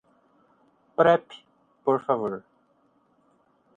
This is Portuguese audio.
Prep, por favor.